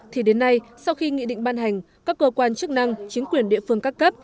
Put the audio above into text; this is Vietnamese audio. thì đến nay sau khi nghị định ban hành các cơ quan chức năng chính quyền địa phương các cấp